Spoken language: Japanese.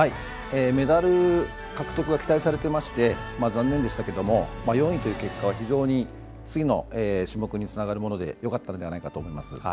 メダル獲得が期待されていまして残念でしたけれども４位という結果は非常に次の種目につながるものでよかったと思います。